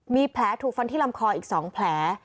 มีแผลถูกฟันที่ลำคออีก๒แผล